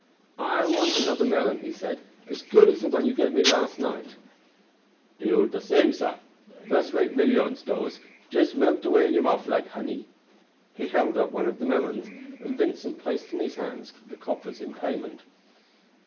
"I want another melon," he said, "as good as that you me last night." "Dey all de same, sah. First rate melyons dose; just melt away in your mouf like honey." He held up one of the melons, and Vincent placed in his hands the coppers in payment.